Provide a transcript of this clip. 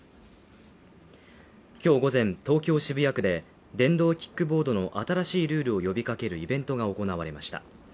今日午前、東京・渋谷区で電動キックボードの新しいルールを呼びかけるイベントが行われました。